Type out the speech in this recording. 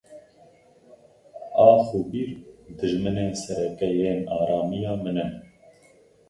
Ax û bîr dijminên sereke yên aramiya min in.